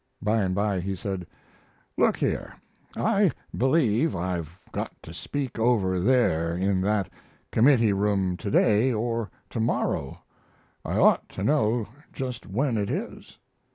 By and by he said: "Look here! I believe I've got to speak over there in that committee room to day or to morrow. I ought to know just when it is."